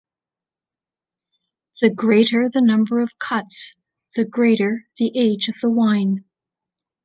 The greater the number of cuts, the greater the age of the wine.